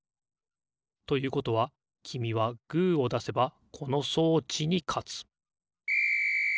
ということはきみはグーをだせばこの装置にかつピッ！